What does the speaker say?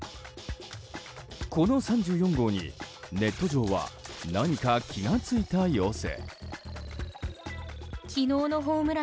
この３４号にネット上は何か気が付いた様子。